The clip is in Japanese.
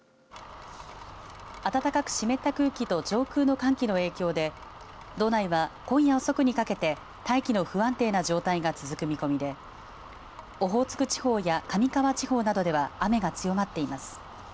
暖かく湿った空気と上空の寒気の影響で道内は今夜遅くにかけて大気の不安定な状態が続く見込みでオホーツク地方や上川地方などでは雨が強まっています。